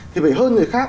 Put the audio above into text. thì phải hơn người khác